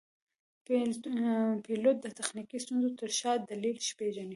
پیلوټ د تخنیکي ستونزو تر شا دلیل پېژني.